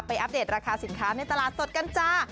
อัปเดตราคาสินค้าในตลาดสดกันจ้า